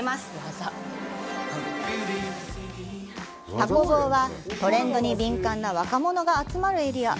田子坊はトレンドに敏感な若者が集まるエリア。